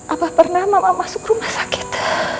apa pernah mama masuk rumah sakit